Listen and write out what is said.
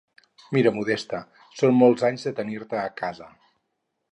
Mira, Modesta, són molts anys de tenir-te a casa.